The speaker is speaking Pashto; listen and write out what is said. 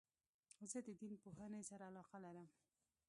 زه د دین پوهني سره علاقه لرم.